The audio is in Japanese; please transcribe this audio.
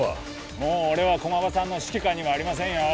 もう俺は駒場さんの指揮下にはありませんよ